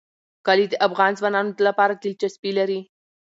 کلي د افغان ځوانانو لپاره دلچسپي لري.